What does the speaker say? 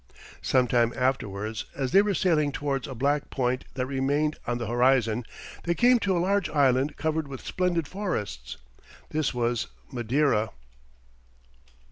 Sometime afterwards, as they were sailing towards a black point that remained on the horizon, they came to a large island covered with splendid forests; this was Madeira.